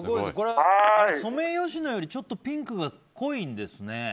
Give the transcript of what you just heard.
ソメイヨシノよりちょっとピンクが濃いんですね。